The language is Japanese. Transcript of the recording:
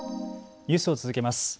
ニュースを続けます。